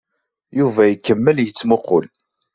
Yuba ikemmel yettmuqqul.